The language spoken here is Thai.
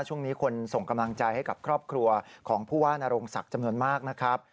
ช่วงนี้คนส่งกำลังใจให้กับครอบครัวของผู้ว่านโรงศักดิ์จำนวนมากนะครับ